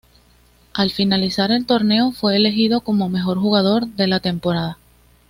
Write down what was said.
Al finalizar el torneo fue elegido como "Mejor Jugador" de la temporada.